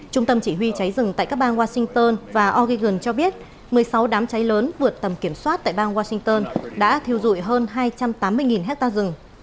trung tâm chỉ huy cháy rừng tại các bang washington và ogigan cho biết một mươi sáu đám cháy lớn vượt tầm kiểm soát tại bang washington đã thiêu dụi hơn hai trăm tám mươi hectare rừng